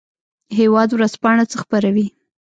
هیواد ورځپاڼه څه خپروي؟